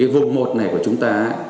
vùng một này của chúng ta